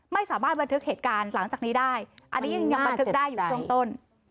ไม่สามารถบันทึกเหตุการณ์หลังจากนี้ได้อันนี้ยังบันทึกได้อยู่ช่วงต้น